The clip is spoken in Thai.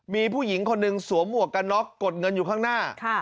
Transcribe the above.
มีผู้หญิงคนหนึ่งสวมหมวกกันน็อกกดเงินอยู่ข้างหน้า